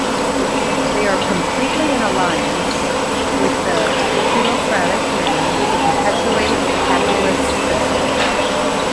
They are completely in alliance with the plutocratic men to perpetuate the capitalist system.